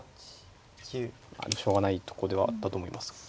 しょうがないとこではあったと思います。